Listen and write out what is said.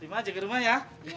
rima jaga rumah ya